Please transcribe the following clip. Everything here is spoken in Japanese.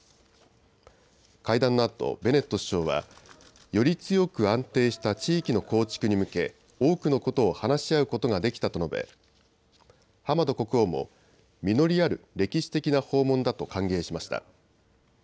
会談のあとベネット首相はより強く安定した地域の構築に向け多くのことを話し合うことができたと述べハマド国王も実りある歴史的な訪問だと歓迎しました。